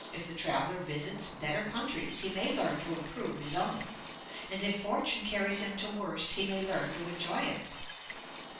If the traveller visits better countries he may learn to improve his own; and if fortune carries him to worse he may learn to enjoy it.'